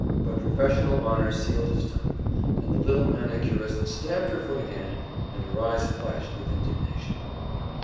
But professional honor sealed his tongue, and the little manicurist stamped her foot again, and her eyes flashed with indignation.